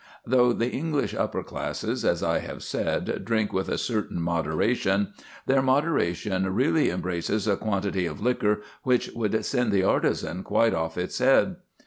Though the English upper classes, as I have said, drink with a certain moderation, their moderation really embraces a quantity of liquor which would send the artisan quite off his head.